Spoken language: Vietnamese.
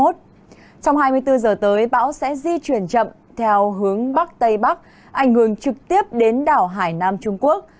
trong hai mươi bốn giờ tới bão sẽ di chuyển chậm theo hướng bắc tây bắc ảnh hưởng trực tiếp đến đảo hải nam trung quốc